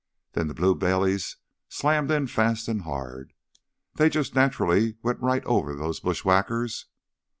Then the blue bellies slammed in fast an' hard. They jus' naturally went right over those bushwhackers.